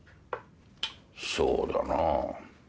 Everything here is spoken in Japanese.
そうだなぁ。